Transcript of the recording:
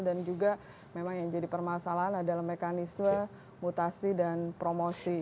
dan juga memang yang jadi permasalahan adalah mekanisme mutasi dan promosi